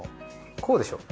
こうでしょ。